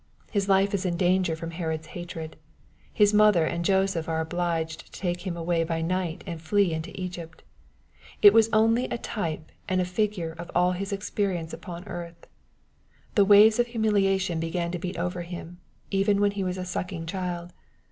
His life is in danger from Herod's hatred. His mother and Joseph are obliged to take Him away by night, and " flee into Egypt." It was only a type and figure of all His experience upon earth. The waves of humiliation began to beat over Him, even when He was a sucking child.